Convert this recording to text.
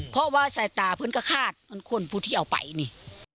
เพราะว่าใส่ตาเพิ่งก็คาดมันควรพูดที่เอาไปนี่